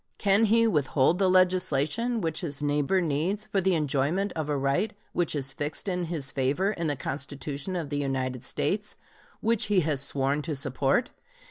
Can he withhold the legislation which his neighbor needs for the enjoyment of a right which is fixed in his favor in the Constitution of the United States, which he has sworn to support?